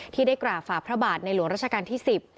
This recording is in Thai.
ที่ได้กราบฝ่าพระบาทในหลวงราชการที่๑๐